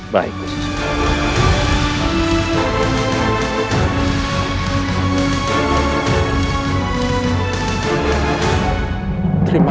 baik ganjeng sunan